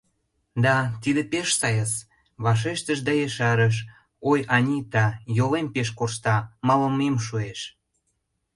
— Да, тиде пеш сайыс, — вашештыш да ешарыш: — Ой, Анита, йолем пеш коршта, малымем шуэш.